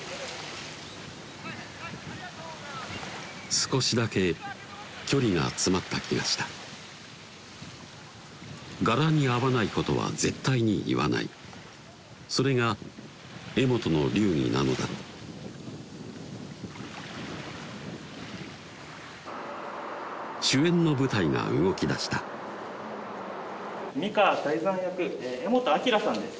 少しだけ距離が詰まった気がした柄に合わないことは絶対に言わないそれが柄本の流儀なのだろう主演の舞台が動きだした見川鯛山役柄本明さんです